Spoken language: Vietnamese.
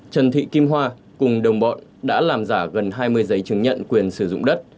trần thị kim hoa cùng đồng bọn đã làm giả gần hai mươi giấy chứng nhận quyền sử dụng đất